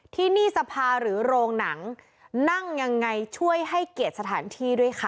ที่นี่สภาหรือโรงหนังนั่งยังไงช่วยให้เกียรติสถานที่ด้วยค่ะ